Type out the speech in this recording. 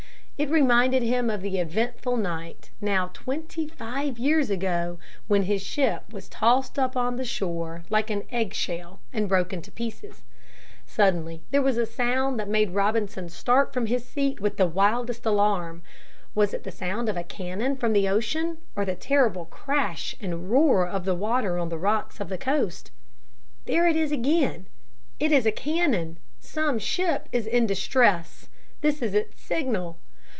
It reminded him of the eventful night now twenty five years ago when his ship was tossed up on the shore like an egg shell and broken to pieces. Suddenly there was a sound that made Robinson start from his seat with the wildest alarm. Was it the sound of a cannon from the ocean or the terrible crash and roar of the water on the rocks of the coast? There it is again; it is a cannon! Some ship is in distress! This is its signal!